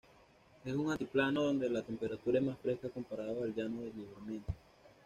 Es un altiplano donde la temperatura es más fresca comparado al llano de Livramento.